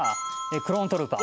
クローン・トルーパー。